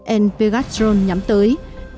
android và android nhắm tới